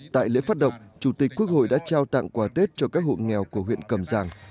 tại lễ phát động chủ tịch quốc hội đã trao tặng quà tết cho các hộ nghèo của huyện cầm giang